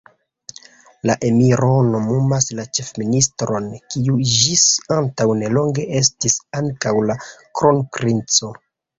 La emiro nomumas la ĉefministron, kiu ĝis antaŭ nelonge estis ankaŭ la kronprinco.